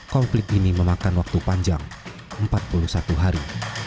konflik ini memakan waktu panjang empat puluh satu hari